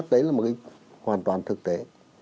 đấy là một cái hoàn toàn thực tế